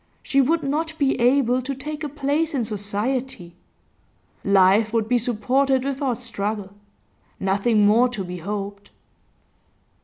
She would not be able to take a place in society. Life would be supported without struggle; nothing more to be hoped.